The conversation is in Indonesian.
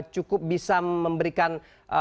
cukup bisa memberikan